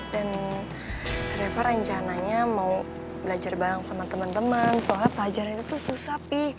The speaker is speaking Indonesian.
dan reva rencananya mau belajar bareng sama temen temen soalnya pelajaran itu susah pi